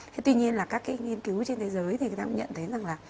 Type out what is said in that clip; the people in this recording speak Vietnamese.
thế tuy nhiên là các cái nghiên cứu trên thế giới thì người ta cũng nhận thấy rằng là